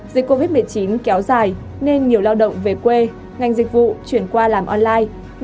dịch covid một mươi chín kéo dài nên nhiều lao động về quê ngành dịch vụ chuyển qua làm online